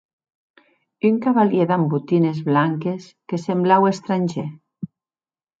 Un cavalièr damb botines blanques que semblaue estrangèr.